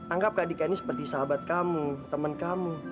anggap kak dika ini seperti sahabat kamu teman kamu